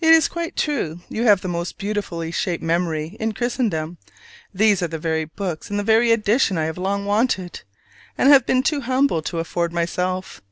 It is quite true; you have the most beautifully shaped memory in Christendom: these are the very books in the very edition I have long wanted, and have been too humble to afford myself.